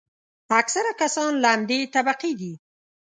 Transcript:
اکثره کسان له همدې طبقې دي.